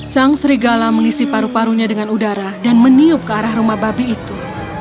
sang serigala mengisi paru parunya dengan udara dan meniup ke arah rumah babi itu